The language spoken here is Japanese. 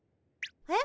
え？